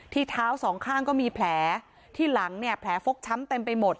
เท้าสองข้างก็มีแผลที่หลังเนี่ยแผลฟกช้ำเต็มไปหมด